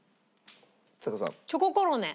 ちさ子さん。